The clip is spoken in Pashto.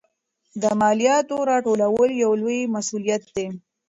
د مالیاتو راټولول یو لوی مسوولیت دی.